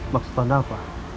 maksud anda apa